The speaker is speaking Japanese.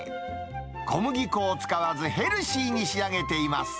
小麦粉を使わずヘルシーに仕上げています。